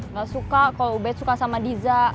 nggak suka kalau ubed suka sama diza